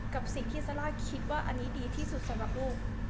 กับสิ่งที่ซาร่าคิดว่าอันนี้ดีที่สุดสำหรับลูก